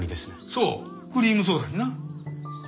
そうクリームソーダにな。